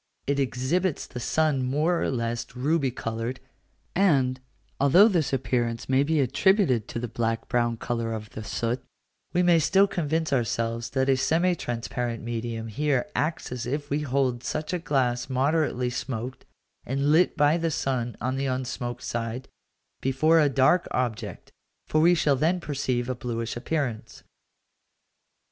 It exhibits the sun more or less ruby coloured; and, although this appearance may be attributed to the black brown colour of the soot, we may still convince ourselves that a semi transparent medium here acts if we hold such a glass moderately smoked, and lit by the sun on the unsmoked side, before a dark object, for we shall then perceive a bluish appearance.